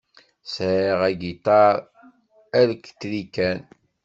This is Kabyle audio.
Sεiɣ agiṭar alktrikan.